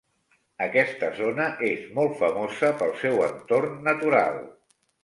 Aquesta zona és molt famosa pel seu entorn natural.